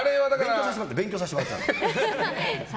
勉強させてもらった。